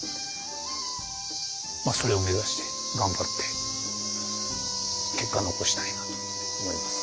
まあそれを目指して頑張って結果残したいなと思います